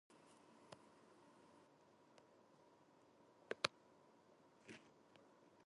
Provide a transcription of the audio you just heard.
د نړۍ د اقتصاد انجن.